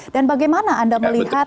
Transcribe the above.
dan bagaimana anda melihat